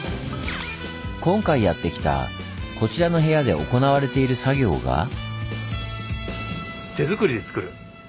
今回やって来たこちらの部屋で行われている作業が。